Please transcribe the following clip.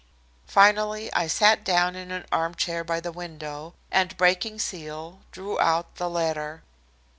Finally, I sat down in an arm chair by the window, and breaking the seal, drew out the letter.